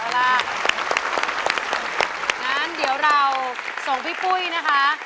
งั้นเดี๋ยวเราส่งพี่ปุ้ยนะคะ